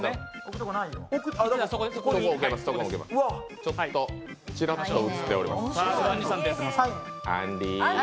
ちょっとちらっと映っております。